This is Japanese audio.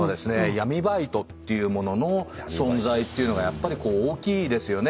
闇バイトっていうものの存在がやっぱり大きいですよね。